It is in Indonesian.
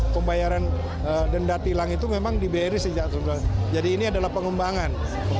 pembayaran denda tilang itu memang dibayar sejak seribu sembilan ratus sembilan puluh tiga jadi ini adalah pengembangan